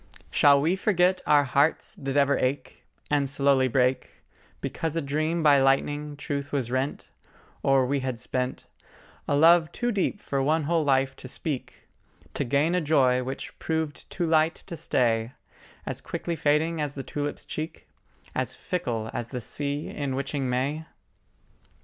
Shall we forget our hearts did ever ache And slowly break, Because a dream by lightning truth was rent, Or we had spent A love too deep for one whole life to speak To gain a joy which proved too light to stay, As quickly fading as the tulip's cheek, As fickle as the sea in witching May?